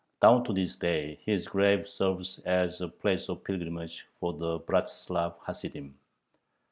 Down to this day his grave serves as a place of pilgrimage for the "Bratzlav Hasidim."